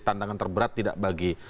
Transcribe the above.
tantangan terberat tidak bagi